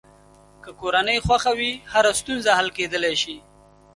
که کورنۍ خوښه وي، هره ستونزه حل کېدلی شي.